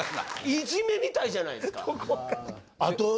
イジメみたいじゃないですか。